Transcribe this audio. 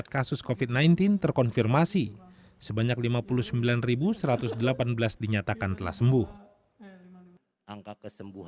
tujuh puluh satu tujuh ratus enam puluh empat kasus covid sembilan belas terkonfirmasi sebanyak lima puluh sembilan satu ratus delapan belas dinyatakan telah sembuh